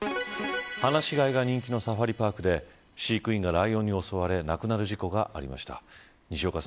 放し飼いが人気のサファリパークで飼育員がライオンに襲われ亡くなる事故がありました。